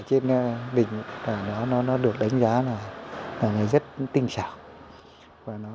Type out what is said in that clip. trên đình nó được đánh giá là rất tinh sản